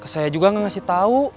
saya juga gak ngasih tau